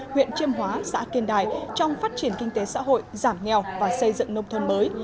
huyện chiêm hóa xã kiên đài trong phát triển kinh tế xã hội giảm nghèo và xây dựng nông thôn mới